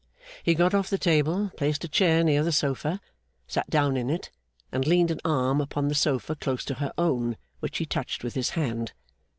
He got off the table, placed a chair near the sofa, sat down in it, and leaned an arm upon the sofa close to her own, which he touched with his hand.